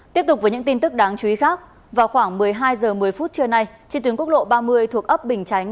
tiếp tục với những tin tức đáng chú ý khác vào khoảng một mươi hai h một mươi phút trưa nay trên tuyến quốc lộ ba mươi thuộc ấp bình chánh